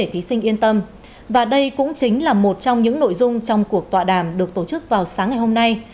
thí sinh yên tâm và đây cũng chính là một trong những nội dung trong cuộc tọa đàm được tổ chức vào sáng ngày hôm nay